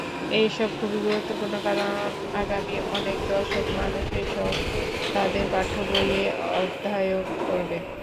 এসব খুবই গুরুত্বপূর্ণ কারণ আগামী অনেক দশক মানুষ এসব তাদের পাঠ্যবই এ অধ্যায়ন করবে।